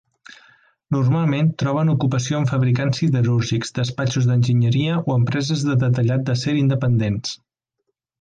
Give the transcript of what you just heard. Normalment troben ocupació en fabricants siderúrgics, despatxos d'enginyeria o empreses de detallat d'acer independents.